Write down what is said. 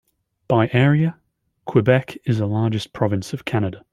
By area, Quebec is the largest province of Canada.